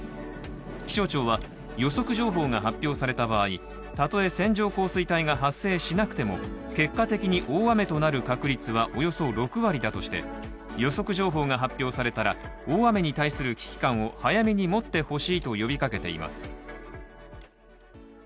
気象庁は、予測情報が発表された場合、たとえ線状降水帯が発生しなくても結果的に大雨となる確率はおよそ６割だとして予測情報が発表されたら、大雨に対する危機感を早めに持ってほしいと呼びかけています。